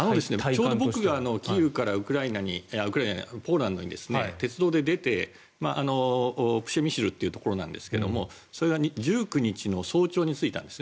ちょうど僕がキーウからポーランドに鉄道で出て、プシェミシルというところなんですが１９日の早朝に着いたんです。